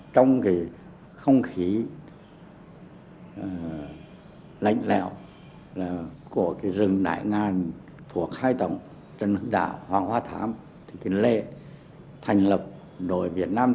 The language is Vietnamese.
trong không khí lạnh lẹo của rừng đại nga